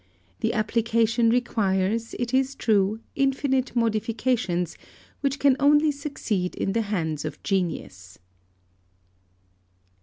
The application requires, it is true, infinite modifications, which can only succeed in the hands of genius.